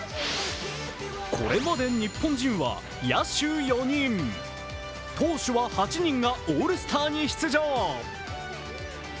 これまで日本人は野手４人、投手は８人がオールスターに出場。